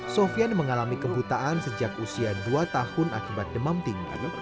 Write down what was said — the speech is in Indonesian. sofian mengalami kebutaan sejak usia dua tahun akibat demam tinggi